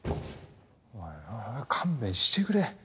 おいおいおい勘弁してくれ。